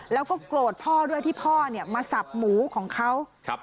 แล้วก็โกรธพ่อด้วยที่พ่อเนี่ยมาสับหมูของเขา